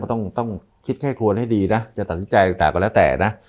ต้องคิดแค่ควรให้ดีนะจะตัดสินใจต่างก็แล้วแต่นะ